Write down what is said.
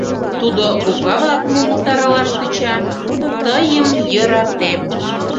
Тудо буква-влакым уштарылаш тӧча: «ты-йым йӧра-тем».